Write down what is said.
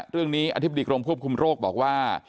เรื่องนี้อธิบดีกรมควบคุมโรคบอกว่า